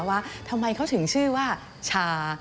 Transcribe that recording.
ว่าทำไมเขาถึงชื่อว่าชา